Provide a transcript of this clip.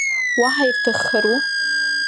Уаҳа ирҭаххару?